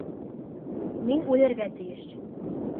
Мин үлергә тейеш.